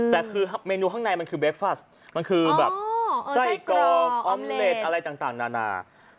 แต่คือเมนูข้างในมันคือเบฟัสมันคือแบบไส้กรอกออมเลสอะไรต่างนานา